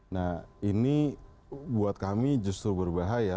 nah ini buat kami justru berbahaya